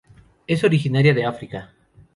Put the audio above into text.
Es originaria de África.